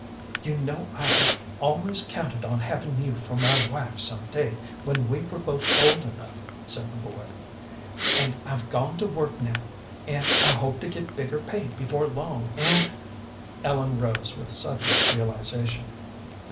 "You know I've always counted on havin' you for my wife some day when we were both old enough," said the boy, "and I've gone to work now, and I hope to get bigger pay before long, and " Ellen rose with sudden realization.